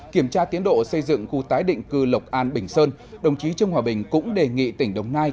kiểm tra tiến độ xây dựng khu tái định cư lộc an bình sơn đồng chí trương hòa bình cũng đề nghị tỉnh đồng nai